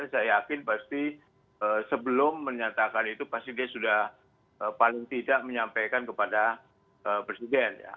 saya yakin pasti sebelum menyatakan itu pasti dia sudah paling tidak menyampaikan kepada presiden